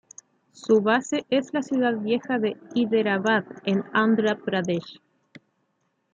Su base es la ciudad vieja de Hyderabad en Andhra Pradesh.